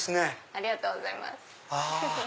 ありがとうございます。